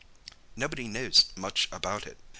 "Nobody knows much about it.